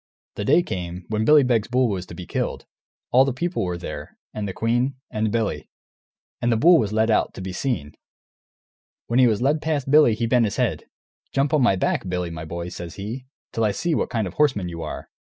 The day came, when Billy Beg's bull was to be killed; all the people were there, and the queen, and Billy. And the bull was led out, to be seen. When he was led past Billy he bent his head. "Jump on my back, Billy, my boy," says he, "till I see what kind of a horseman you are!"